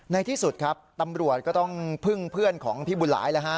ที่สุดครับตำรวจก็ต้องพึ่งเพื่อนของพี่บุญหลายแล้วฮะ